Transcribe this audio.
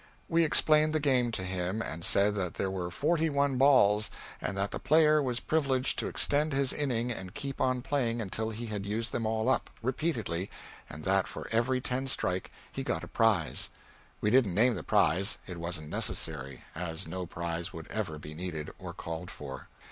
We explained the game to him, and said that there were forty one balls, and that the player was privileged to extend his inning and keep on playing until he had used them all up repeatedly and that for every ten strike he got a prize. We didn't name the prize it wasn't necessary, as no prize would ever be needed or called for.